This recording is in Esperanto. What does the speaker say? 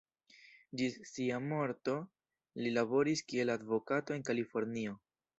Ĝis sia morto, li laboris kiel advokato en Kalifornio.